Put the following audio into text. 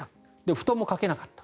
布団もかけなかった。